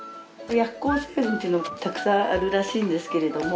薬効成分っていうのがたくさんあるらしいんですけれども。